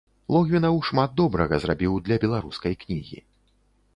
Логвінаў шмат добрага зрабіў для беларускай кнігі.